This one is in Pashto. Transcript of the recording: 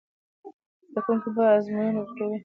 زده کوونکي به ازموینه ورکوي.